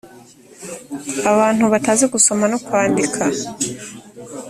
abantu batazi gusoma no kwandika